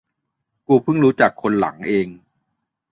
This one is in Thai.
กูเพิ่งรู้จักคนหลังเอง